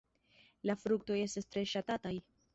La fruktoj estas tre ŝatataj.